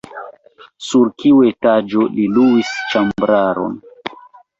Sur kiu etaĝo li luis ĉambraron?